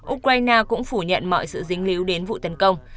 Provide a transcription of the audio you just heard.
ukraine cũng phủ nhận mọi sự dính líu đến vụ tấn công